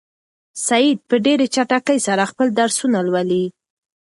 سعید په ډېرې چټکۍ سره خپل درسونه لولي.